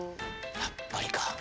やっぱりか。